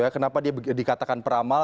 kenapa dia dikatakan peramal